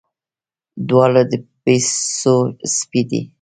دواړه د پيسو سپي دي.